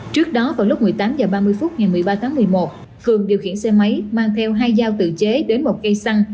trước đó vào lúc một mươi tám h ba mươi phút ngày một mươi ba tháng một mươi một cường điều khiển xe máy mang theo hai dao tự chế đến một cây xăng